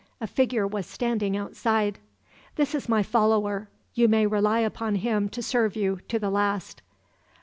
A figure was standing outside. "This is my follower. You may rely upon him to serve you, to the last.